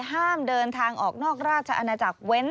ห้ามเดินทางออกนอกราชอาณาจักรเว้น